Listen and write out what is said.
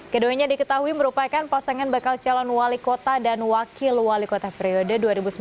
keduanya diketahui merupakan pasangan bakal calon wali kota dan wakil wali kota periode dua ribu sembilan belas dua ribu dua